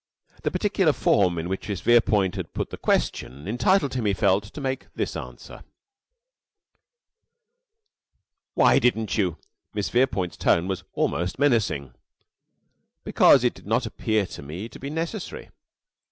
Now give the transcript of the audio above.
The particular form in which Miss Verepoint had put the question entitled him, he felt, to make this answer. "Why didn't you?" Miss Verepoint's tone was almost menacing. "Because it did not appear to me to be necessary."